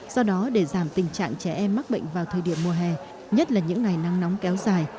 do đó để giảm tình trạng trẻ em mắc bệnh vào thời điểm mùa hè nhất là những ngày nắng nóng kéo dài